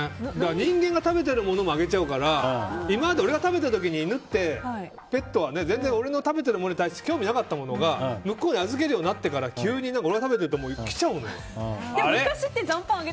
人間が食べてるものもあげちゃうから今まで俺が食べてる時に犬って、ペットは全然俺の食べてるものに対して興味なかったものが向こうに預けるようになってからでも昔って残飯あげてましたよね。